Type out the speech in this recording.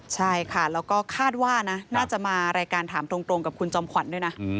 ใช่ค่ะแล้วก็คาดว่านะน่าจะมารายการถามตรงกับคุณจอมขวัญด้วยนะ